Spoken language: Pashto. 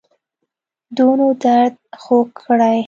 دونو درد خوږ کړی